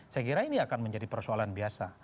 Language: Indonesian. saya kira ini akan menjadi persoalan biasa